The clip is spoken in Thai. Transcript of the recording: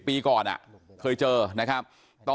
ซึ่งไม่ได้เจอกันบ่อย